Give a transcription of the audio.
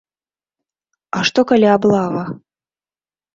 А што, калі аблава?